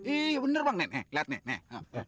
iya bener bang nih liat nih